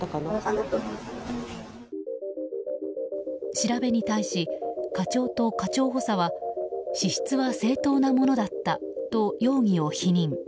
調べに対し課長と課長補佐は支出は正当なものだったと容疑を否認。